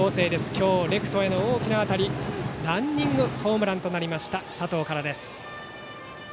今日レフトへの大きな当たりランニングホームランとなった佐藤からです。